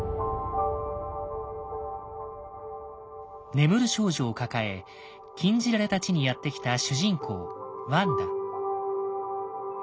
眠る少女を抱え禁じられた地にやって来た主人公ワンダ。